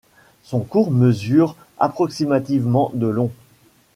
Son cours mesure approximativement de long.